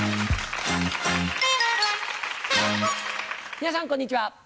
皆さんこんにちは。